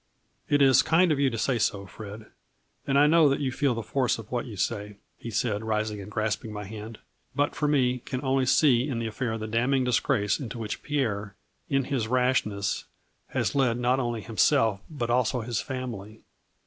" It is kind of you to say so, Fred, and I know that you feel the force of what you say," he said, rising and grasping my hand, " but for me, can only see in die affair the damning disgrace into which Pierre, in his rashness, has led not only himself but also his family.